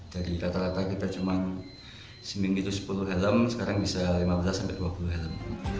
dari rata rata kita cuma seminggu itu sepuluh helm sekarang bisa lima belas sampai dua puluh helm